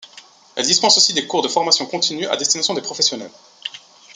Elle dispense aussi des cours de formation continue à destination des professionnels.